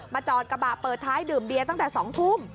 จอดกระบะเปิดท้ายดื่มเบียร์ตั้งแต่๒ทุ่ม